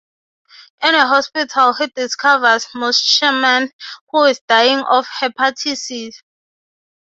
In the hospital he discovers Mutschmann, who is dying of hepatitis.